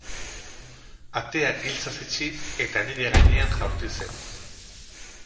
Atea giltzaz itxi eta nire gainean jaurti zen.